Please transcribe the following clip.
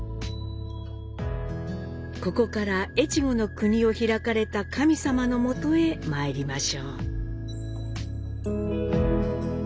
ここから越後の国をひらかれた神様のもとへ参りましょう。